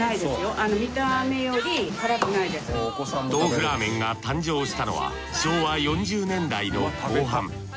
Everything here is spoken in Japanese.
トーフラーメンが誕生したのは昭和４０年代の後半。